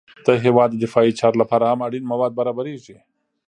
د هېواد د دفاعي چارو لپاره هم اړین مواد برابریږي